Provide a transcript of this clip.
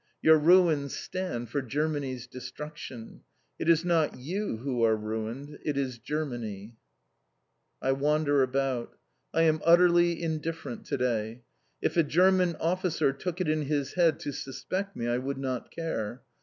Your ruins stand for Germany's destruction. It is not you who are ruined. It is Germany! I wander about. I am utterly indifferent to day. If a German officer took it in his head to suspect me I would not care.